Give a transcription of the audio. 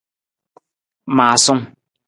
Maasung.